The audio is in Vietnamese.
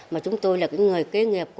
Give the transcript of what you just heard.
mà chúng tôi là cái người kế nghiệp của các cụ